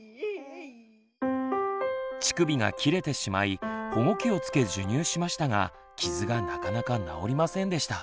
乳首が切れてしまい保護器をつけ授乳しましたが傷がなかなか治りませんでした。